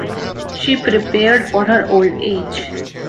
She prepared for her old age.